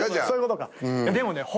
そういうことか。